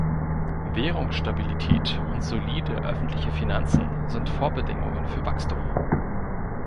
Währungsstabilität und solide öffentliche Finanzen sind Vorbedingungen für Wachstum.